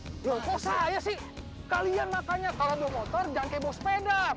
loh kok saya sih kalian makanya kalau lo motor jangan kebos pedang